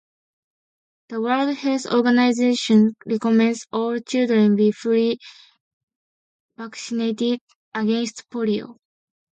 The World Health Organization recommends all children be fully vaccinated against polio.